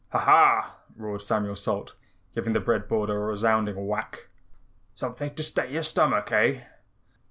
"Ha, hah!" roared Samuel Salt, giving the bread board a resounding whack. "Something to stay your stomach, EH?"